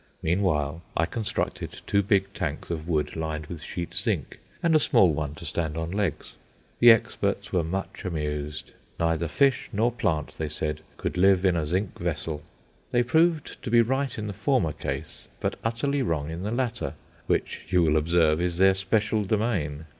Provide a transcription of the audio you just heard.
Meanwhile I constructed two big tanks of wood lined with sheet zinc, and a small one to stand on legs. The experts were much amused. Neither fish nor plant, they said, could live in a zinc vessel. They proved to be right in the former case, but utterly wrong in the latter which, you will observe, is their special domain.